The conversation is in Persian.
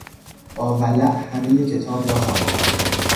با ولع همهی کتاب را خواند.